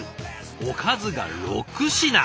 おかずが６品。